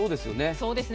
そうですね。